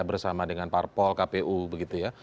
bersama dengan parpol kpu begitu ya